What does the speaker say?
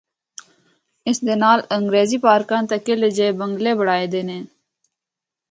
اس دے نال انگریزی بارکاں تے قعلے جیئے بنگلے بنڑائے دے ہن۔